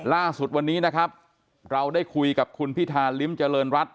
ล่าสุดวันนี้นะครับเราได้คุยกับคุณพิธาลิ้มเจริญรัฐ